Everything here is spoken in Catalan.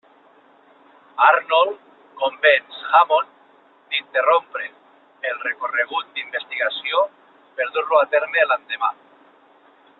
Arnold convenç Hammond d'interrompre el recorregut d'investigació, per dur-lo a terme l'endemà.